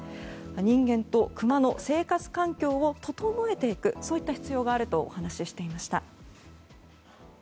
人間とクマの生活環境を整えていくそういった必要があるとお話していました。